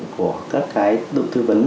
của các cái đội thư vấn